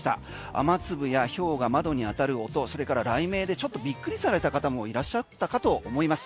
雨粒やひょうが窓に当たる音それから雷鳴でちょっとびっくりされた方もいらっしゃったかと思います。